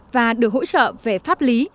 và được hỗ trợ về pháp lý